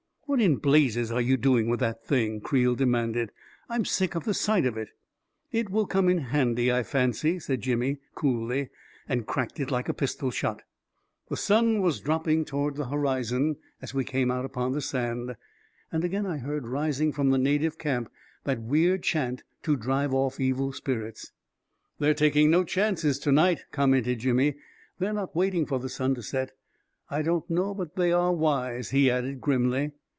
" What in blazes are you doing with that thing? " Creel demanded. " I'm sick of the sight of it." " It will come in handy, I fancy," said Jimmy, coolly, and cracked it like a pistol shot. The sun was dropping toward the horizon as we 342 A KING IN BABYLON came out upon the sand, and again I heard rising from the native camp that weird chant to drive off evil spirits. " They're taking no chances to night," commented Jimmy; " they're not waiting for the sun to set. I don't know but they are wise I " he added grimly.